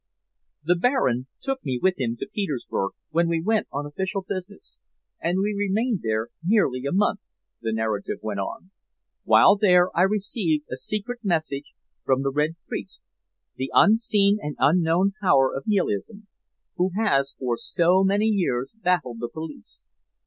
"The Baron took me with him to Petersburg when he went on official business, and we remained there nearly a month," the narrative went on. "While there I received a secret message from 'The Red Priest,' the unseen and unknown power of Nihilism, who has for so many years baffled the police.